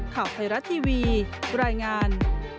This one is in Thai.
ข่าวไทยรัฐทีวีรายงาน